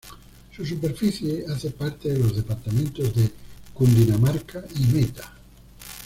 Su superficie hace parte de los departamentos de Cundinamarca y Meta.